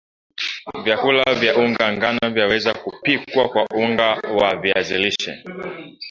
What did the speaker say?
vyakula vya unga ngano vyaweza kupikwa kwa unga wa viazi lishe